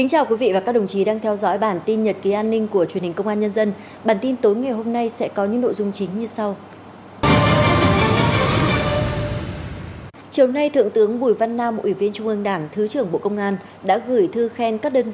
hãy đăng ký kênh để ủng hộ kênh của chúng mình nhé